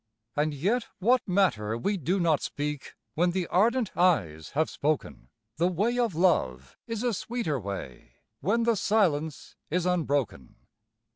And yet what matter we do not speak, when the ardent eyes have spoken, The way of love is a sweeter way, when the silence is unbroken.